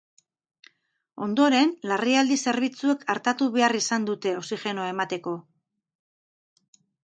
Ondoren, larrialdi zerbitzuek artatu behar izan dute, oxigenoa emateko.